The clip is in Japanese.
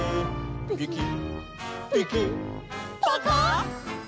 「ピキピキパカ！」